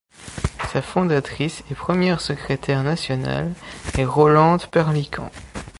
Sa fondatrice et première secrétaire nationale est Rolande Perlican.